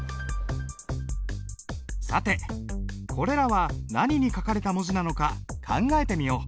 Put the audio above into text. さてこれらは何に書かれた文字なのか考えてみよう。